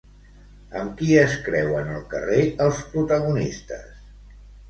Amb qui es creuen al carrer els protagonistes?